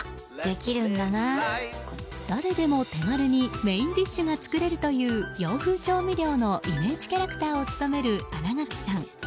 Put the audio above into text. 誰でも手軽にメインディッシュが作れるという洋風調味料のイメージキャラクターを務める新垣さん。